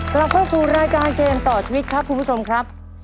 กลับเข้าสู่รายการเกมต่อชีวิตครับคุณผู้ชมครับ